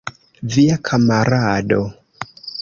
Via kamarado.